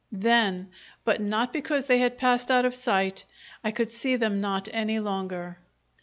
Then, but not because they had passed out of sight, I could see them not any longer.